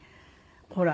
ほら。